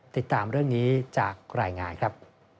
ติดตามเรื่องนี้จากรายงานครับ